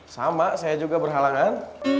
sama saya juga berhalangan